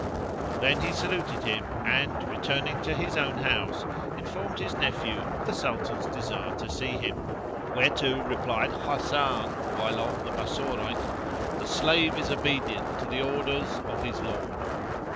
Then he saluted him and, returning to his own house, informed his nephew of the Sultan's desire to see him, whereto replied Hasan, whilome the Bassorite, "The slave is obedient to the orders of his lord."